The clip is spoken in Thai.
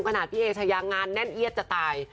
ขนาดพี่เอชายางานแน่นเอียดจะตาย